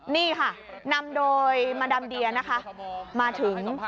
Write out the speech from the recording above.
นี่ค่ะนำโดยมาดามเดียนะคะมาถึง